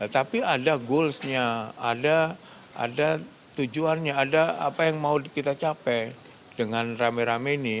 tapi ada goalsnya ada tujuannya ada apa yang mau kita capai dengan rame rame ini